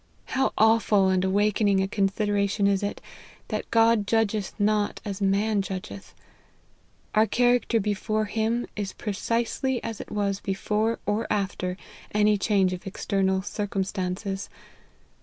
How awful and awakening a consideration is it, that God judge th not as man judge th ! Our character before him, is precisely as it was before or after any change of external circumstances.